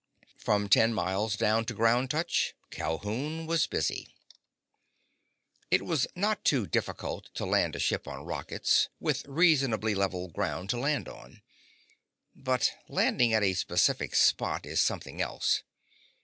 From ten miles down to ground touch, Calhoun was busy. It is not too difficult to land a ship on rockets, with reasonably level ground to land on. But landing at a specific spot is something else.